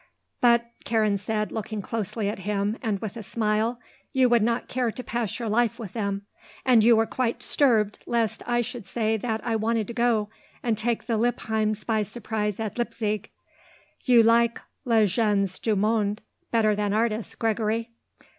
_" "But," Karen said, looking closely at him, and with a smile, "you would not care to pass your life with them. And you were quite disturbed lest I should say that I wanted to go and take the Lippheims by surprise at Leipsig. You like les gens du monde better than artists, Gregory."